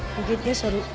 mungkin dia seru